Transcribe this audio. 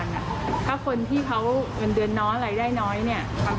เรามาหาเงินรับการรำวาก